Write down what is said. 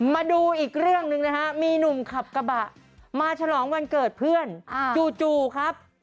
มาดูอีกเรื่องหนึ่งนะฮะมีหนุ่มขับกระบะมาฉลองวันเกิดเพื่อนจู่ครับ